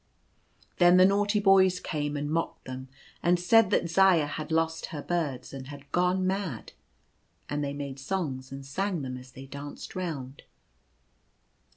Then the naughty boys came and mocked them, and said that Zaya had lost her birds, and had gone mad ; and they made songs, and sang them as they danced round.